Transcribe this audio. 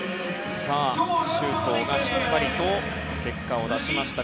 周東がしっかりと結果を出しました。